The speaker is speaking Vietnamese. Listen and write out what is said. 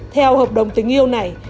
theo hợp đồng tình yêu này